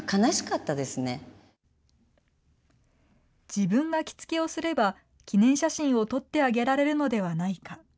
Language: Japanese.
自分が着付けをすれば、記念写真を撮ってあげられるのではないか。